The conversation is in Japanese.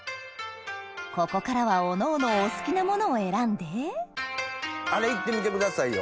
ここからはおのおのお好きなものを選んであれ行ってみてくださいよ。